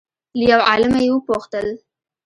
له یو عالمه یې وپوښتل